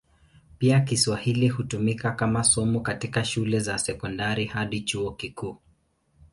Pia Kiswahili hutumika kama somo katika shule za sekondari hadi chuo kikuu.